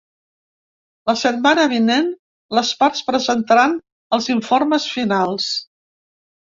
La setmana vinent les parts presentaran els informes finals.